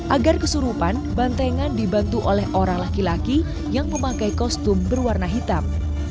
agar kesurupan bantengan dibantu oleh orang laki laki yang memakai kostum berwarna hitam